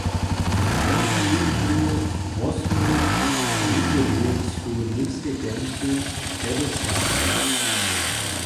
Jenož kóždu wosmu njedźelu su němske kemše prjedy serbskich.